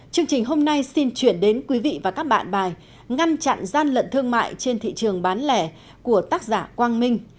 chương trình hôm nay xin chuyển đến quý vị và các bạn bài ngăn chặn gian lận thương mại trên thị trường bán lẻ của tác giả quang minh